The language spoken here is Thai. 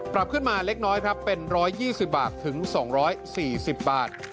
ปรับขึ้นมาเล็กน้อยครับเป็น๑๒๐บาทถึง๒๔๐บาท